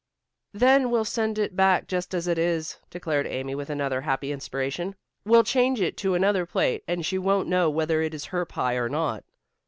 "Then we'll send it back just as it is," declared Amy with another happy inspiration. "We'll change it to another plate, and she won't know whether it is her pie or not.